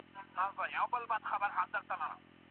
آیا د مسمومیت مخنیوی په هره ټولنه کې یو اساسي لومړیتوب دی؟